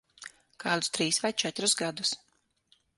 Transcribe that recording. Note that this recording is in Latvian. Kādus trīs vai četrus gadus.